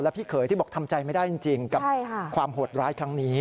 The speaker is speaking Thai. พี่เขยที่บอกทำใจไม่ได้จริงกับความโหดร้ายครั้งนี้